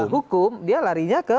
hukum dia larinya ke